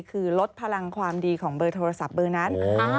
คือลดพลังความดีของเบอร์โทรศัพท์เบอร์นั้น